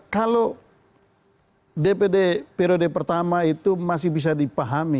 kalau dpd periode pertama itu masih bisa dipahami